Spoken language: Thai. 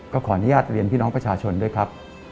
ขออนุญาตเรียนพี่น้องประชาชนด้วยครับ